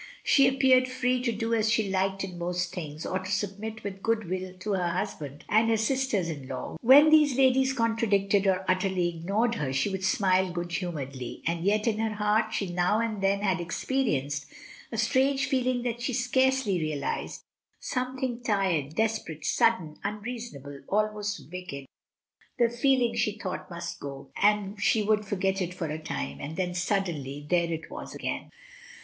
She appeared free to do as she liked in most things, or to submit with good will to her husband and her sisters in law. When these ladies contradicted or utterly ignored her, she would smile good humouredly; and yet in her heart she now and then had experienced a strange feeling that she scarcely realised, something tired, desperate, sudden, unreasonable, almost wicked — the feeling she thought must go, and she would forget it for a time, and then suddenly there it was again. 256 MRS. DYMOND.